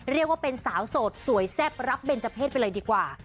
เรียกว่าเป็นสาวโสดสวยแซ่บรับเบนเจอร์เพศไปเลยดีกว่า